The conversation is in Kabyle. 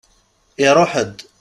Iṛuḥ-d.